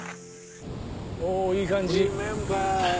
おいい感じ。